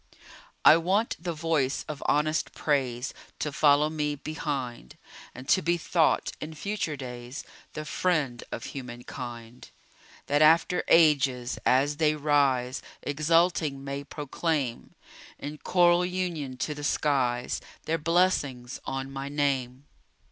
I want the voice of honest praise To follow me behind, And to be thought in future days The friend of human kind, That after ages, as they rise, Exulting may proclaim In choral union to the skies Their blessings on my name.